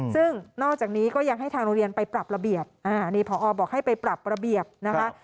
ซึ่งนอกจากนี้ก็ยังให้ทางโรงเรียนไปปรับระเบียบนี่พอบอกให้ไปปรับระเบียบนะคะ